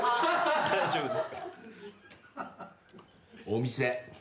お店。